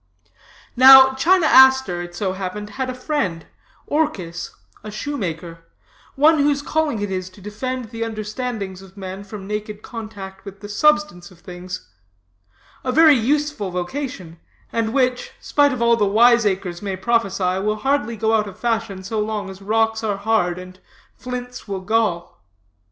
"Now, China Aster, it so happened, had a friend, Orchis, a shoemaker; one whose calling it is to defend the understandings of men from naked contact with the substance of things: a very useful vocation, and which, spite of all the wiseacres may prophesy, will hardly go out of fashion so long as rocks are hard and flints will gall.